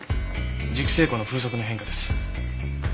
熟成庫の風速の変化です。